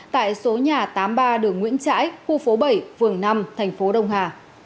tại số nhà tám mươi ba đường nguyễn trãi khu phố bảy phường năm thành phố đông hà